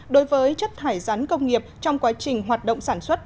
đối với chất thải rắn công nghiệp trong quá trình hoạt động sản xuất